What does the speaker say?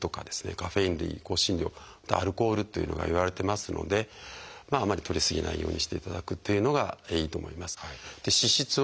カフェイン類香辛料アルコールというのがいわれてますのであまりとり過ぎないようにしていただくというのがいいと思います。